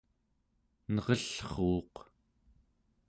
nerellruuq